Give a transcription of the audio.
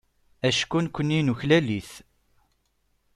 Acku nekkni nuklal-it.